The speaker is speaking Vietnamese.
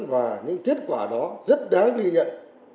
và những kết quả đó rất đáng ghi nhận